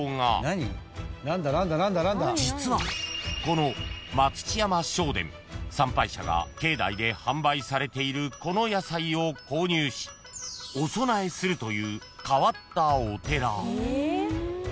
［実はこの待乳山聖天参拝者が境内で販売されているこの野菜を購入しお供えするという変わったお寺］